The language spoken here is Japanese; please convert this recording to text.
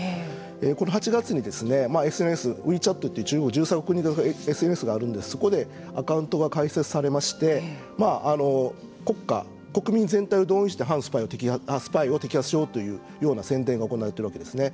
この８月にＳＮＳウィーチャットというＳＮＳがあるんですけどそこでアカウントが開設されまして国家国民全体を動員してスパイを摘発しようという宣伝が行われているわけですね。